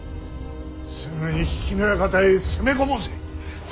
すぐに比企の館へ攻め込もうぜ。